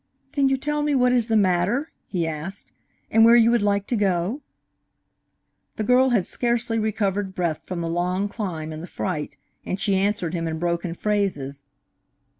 "Can you tell me what is the matter," he asked, "and where you would like to go?" The girl had scarcely recovered breath from the long climb and the fright, and she answered him in broken phrases.